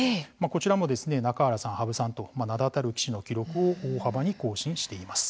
こちらも中原さん、羽生さんと名だたる棋士の記録を大幅に更新しています。